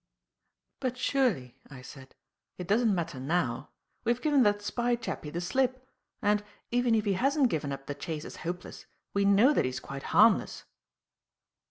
"But surely," I said, "it doesn't matter now. We have given that spy chappie the slip, and, even if he hasn't given up the chase as hopeless, we know that he is quite harmless."